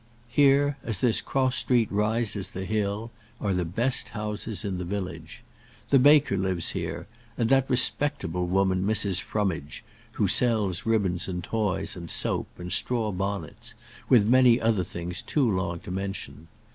Here, as this cross street rises the hill, are the best houses in the village. The baker lives here, and that respectable woman, Mrs. Frummage, who sells ribbons, and toys, and soap, and straw bonnets, with many other things too long to mention.